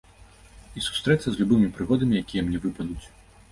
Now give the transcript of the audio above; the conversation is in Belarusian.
І сустрэцца з любымі прыгодамі, якія мне выпадуць.